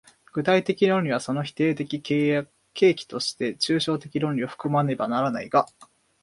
具体的論理はその否定的契機として抽象的論理を含まねばならないが、